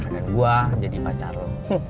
dan gue jadi pacar lo